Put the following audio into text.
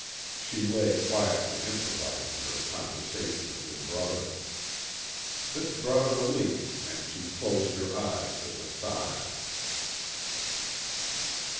She lay quietly improvising her conversation with her brother. This brought a relief and she closed her eyes with a sigh.